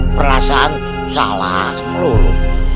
perasaan salah melulu